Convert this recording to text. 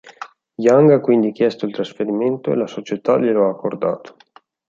Young ha quindi chiesto il trasferimento e la società glielo ha accordato.